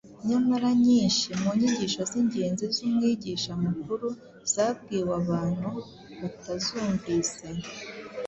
nyamara nyinshi mu nyigisho z’ingenzi z’umwigisha mukuru zabwiwe abantu batazumvise.